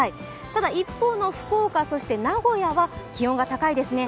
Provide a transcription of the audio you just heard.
ただ一方の福岡、名古屋は気温が高いですね。